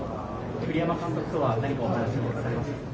栗山監督とは何かお話しされましたか。